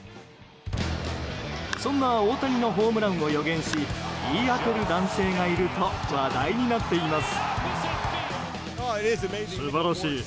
そんな大谷のホームランを予言し言い当てる男性がいると話題になっています。